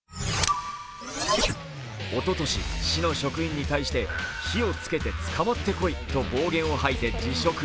おととし、市の職員に対して火をつけて捕まってこいと暴言を吐いて辞職。